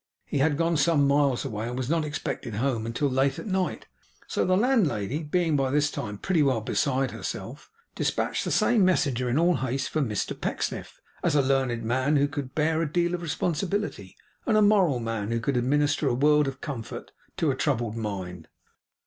He had gone some miles away, and was not expected home until late at night; so the landlady, being by this time pretty well beside herself, dispatched the same messenger in all haste for Mr Pecksniff, as a learned man who could bear a deal of responsibility, and a moral man who could administer a world of comfort to a troubled mind.